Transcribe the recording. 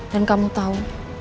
dan kamu tahu